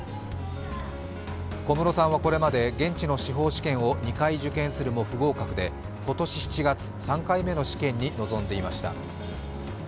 小室さんはこれまで現地の司法試験を２回受験するも不合格で今年７月、３回目の試験に臨んでいました。